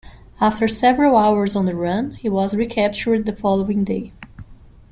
After several hours on the run, he was re-captured the following day.